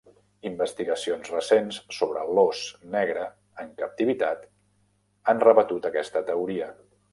Investigacions recents sobre l'ós negre en captivitat han rebatut aquesta teoria.